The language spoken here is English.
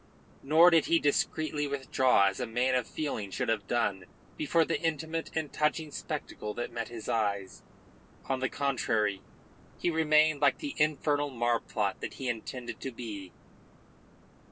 Nor did he discreetly withdraw as a man of feeling should have done before the intimate and touching spectacle that met his eyes. On the contrary, he remained like the infernal marplot that he intended to be.